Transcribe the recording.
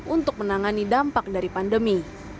untuk menangani dampak dari pandemi